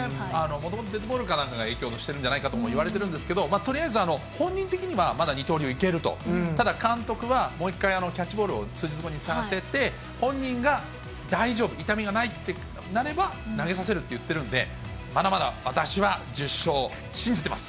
もともとデッドボールかなんかが影響してるんじゃないかともいわれてるんですけど、とりあえず、本人的にはまだ二刀流いけると、ただ、監督は、もう一回キャッチボールを数日後にさせて、本人が大丈夫、痛みがないってなれば投げさせるって言ってるんで、まだまだ私は１０勝、信じてます。